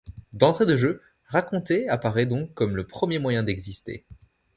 D'entrée de jeu, raconter apparaît donc comme le premier moyen d'exister.